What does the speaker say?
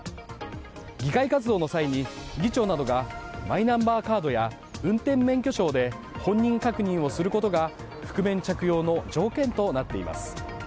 議会活動の際に議長などがマイナンバーカードや運転免許証で本人確認をすることが覆面着用の条件となっています。